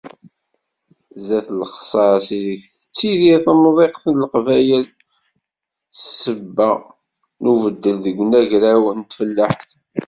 Sdat lexṣas i deg tettidir temḍiqt n Leqbayel s ssebba n ubeddel deg unagraw n tfellaḥt.